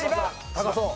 高そう。